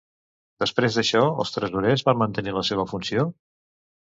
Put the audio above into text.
Després d'això, els tresorers van mantenir la seva funció?